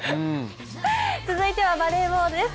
続いてはバレーボールです。